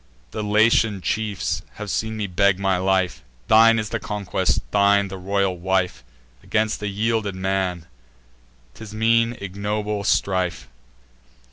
The Latian chiefs have seen me beg my life; Thine is the conquest, thine the royal wife: Against a yielded man, 'tis mean ignoble strife."